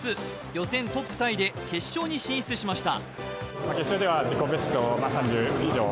予選トップタイで決勝に進出しました。